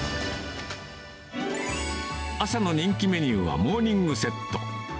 朝の人気メニューはモーニングセット。